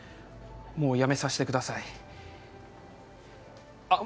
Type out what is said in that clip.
もうやめさせてくださいあっ